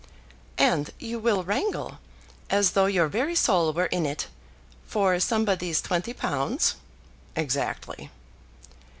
"And you will wrangle, as though your very soul were in it, for somebody's twenty pounds?" "Exactly."